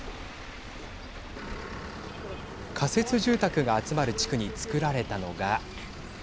仮設住宅が集まる地区に造られたのが。